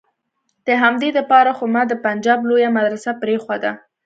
د همدې د پاره خو ما د پنجاب لويه مدرسه پرېخوده.